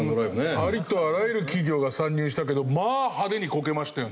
ありとあらゆる企業が参入したけどまあ派手にこけましたよね。